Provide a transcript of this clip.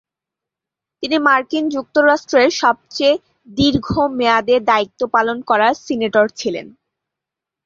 তিনি মার্কিন যুক্তরাষ্ট্রের সবচেয়ে দীর্ঘ মেয়াদে দায়িত্ব পালন করা সিনেটর ছিলেন।